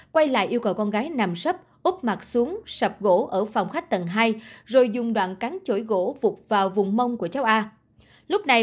quay lại yêu cầu con gái nằm sấp úp mặt xuống sập gỗ ở phòng khách tầng hai rồi dùng đoạn cắn chổi gỗ phục vào vùng mông của cháu a